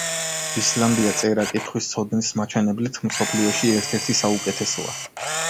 ისლანდია წერა-კითხვის ცოდნის მაჩვენებლით მსოფლიოში ერთ-ერთი საუკეთესოა.